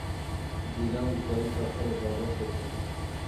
Dîlan ji dayîka xwe re, dabaşa çi kir?